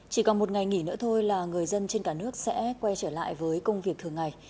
chỉ còn một ngày nghỉ nữa thôi là người dân trên cả nước sẽ quay trở lại với công việc thường ngày